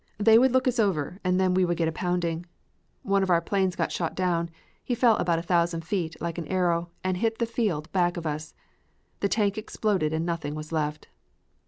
They would look us over and then we would get a pounding. One of our planes got shot down; he fell about a thousand feet, like an arrow, and hit in the field back of us. The tank exploded and nothing was left.